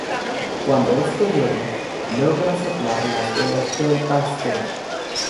Cuando este llega, logra soplar las velas del pastel.